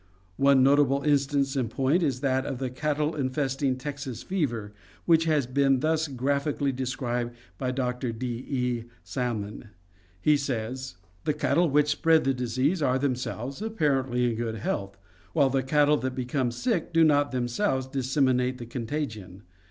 One notable instance in point is that of the cattle infesting Texas fever which has been thus graphically described by Doctor D. E. Salmon. He says: PARASITISM AND DEGENERACY 26$ "The cattle which spread the disease are, themselves, apparently in good health, while the cattle that become sick do not themselves dissem inate the contagion.